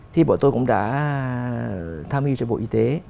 thì bọn tôi cũng đã tham hiu cho bộ y tế